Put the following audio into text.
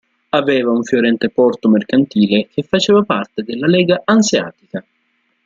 Aveva un fiorente porto mercantile che faceva parte della Lega Anseatica.